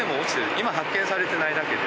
今発見されてないだけで。